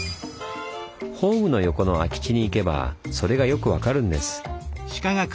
ホームの横の空き地に行けばそれがよく分かるんです。